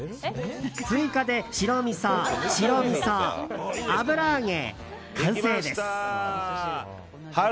追加で白みそ、白みそ油揚げ、完成です。